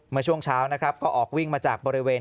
เมื่อช่วงเช้านะครับก็ออกวิ่งมาจากบริเวณ